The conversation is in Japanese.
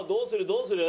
どうする？